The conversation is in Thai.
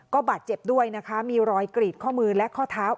ก็บาดเจ็บด้วยนะคะมีรอยกรีดข้อมือและข้อเท้า